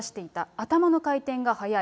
頭の回転が速い。